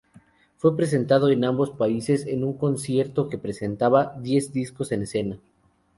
Fue presentado en ambos países, en un concierto que presentaba diez discos en escena.